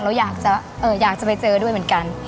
เราอยากจะไปเจอด้วยเหมือนกัน